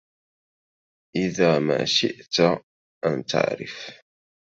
إذا ما شئت أن تعرف